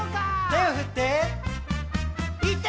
「手を振って」